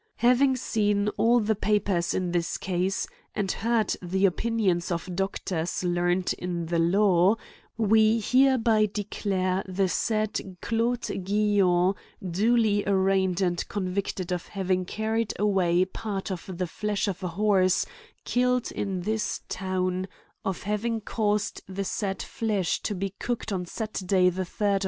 ^* Having seen all the papers in the cause, and heard the opinions of Doctors learned in the law, we hereby declare the said Claude Guillon duly arraigned and convicted of having carried away part of the flesh of a Horse killed in this town, C c 2'02 A COMMENTARY ON of having caused the said flesh to be cooked on Saturday the 3d.